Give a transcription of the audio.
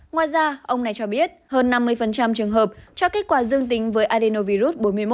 ngoài ra ông này cho biết hơn năm mươi trường hợp cho kết quả dương tính với adenovirus bốn mươi một